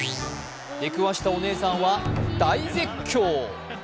出くわしたお姉さんは大絶叫。